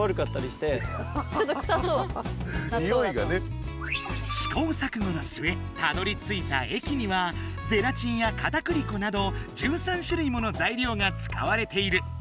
しこうさくごのすえたどりついた液にはゼラチンやかたくり粉など１３種類もの材料がつかわれている。